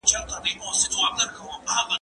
زه به سبا واښه راوړم وم؟!